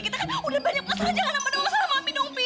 kita kan udah banyak masalah jangan apa apa masalah sama mami dong pi